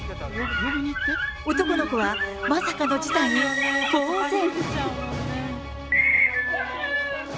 男の子はまさかの事態にぼう然。